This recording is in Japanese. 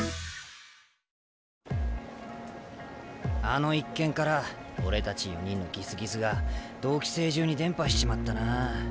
あの一件から俺たち４人のギスギスが同期生中に伝播しちまったなあ。